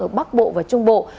ở bắc bộ và trung bộ